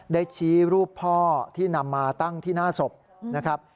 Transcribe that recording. ได้ชี้รูปพ่อที่นำมาตั้งที่หน้าศพนะครับ